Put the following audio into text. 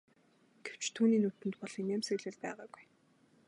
Гэвч түүний нүдэнд бол инээмсэглэл байгаагүй.